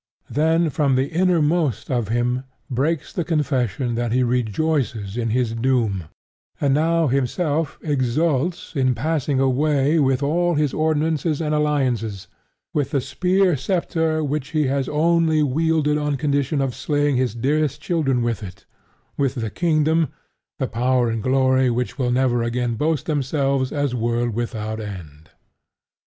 Then from the innermost of him breaks the confession that he rejoices in his doom, and now himself exults in passing away with all his ordinances and alliances, with the spear sceptre which he has only wielded on condition of slaying his dearest children with it, with the kingdom, the power and the glory which will never again boast themselves as "world without end."